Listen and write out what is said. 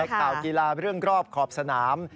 ข่าวกีฬาเรื่องรอบขอบสนาม